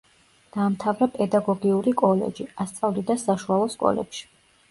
დაამთავრა პედაგოგიური კოლეჯი, ასწავლიდა საშუალო სკოლებში.